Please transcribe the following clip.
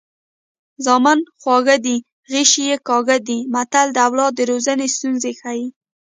زامن خواږه دي غشي یې کاږه دي متل د اولاد د روزنې ستونزې ښيي